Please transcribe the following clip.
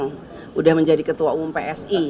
sudah menjadi ketua umum psi